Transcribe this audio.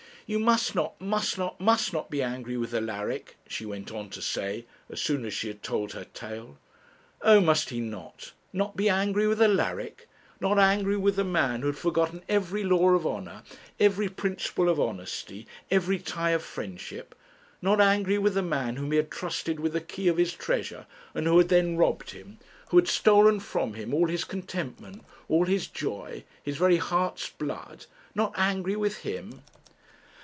'You must not, must not, must not be angry with Alaric,' she went on to say, as soon as she had told her tale. Oh, must he not? Not be angry with Alaric! Not angry with the man who had forgotten every law of honour, every principle of honesty, every tie of friendship! Not angry with the man whom he had trusted with the key of his treasure, and who had then robbed him; who had stolen from him all his contentment, all his joy, his very heart's blood; not angry with him!